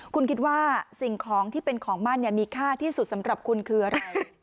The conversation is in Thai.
คุณคิดว่าสิ่งของที่เป็นของมั่นมีค่าที่สุดสำหรับคุณคืออะไร